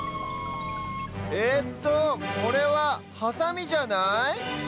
えっとこれはハサミじゃない？